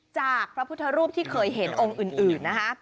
พระพุทธรูปที่เคยเห็นองค์อื่นนะคะ